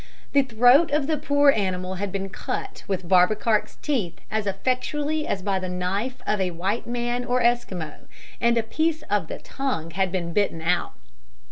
The throat of the poor animal had been cut with Barbekark's teeth as effectually as by the knife of a white man or Esquimaux, and a piece of the tongue had been bitten out.